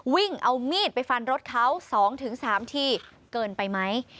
วิ่งเอามีดไปฟันรถเขา๒๓ทีเกินไปไหม